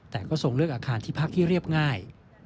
แต่ก็ทรงเลือกอาคารที่พักที่เรียบง่าย